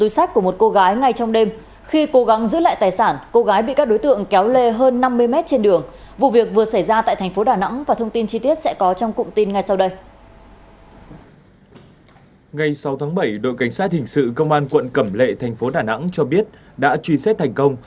ngày sáu tháng bảy đội cảnh sát hình sự công an quận cẩm lệ thành phố đà nẵng cho biết đã truy xét thành công